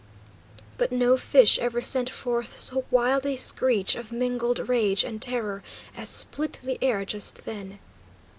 But no fish ever sent forth so wild a screech of mingled rage and terror as split the air just then.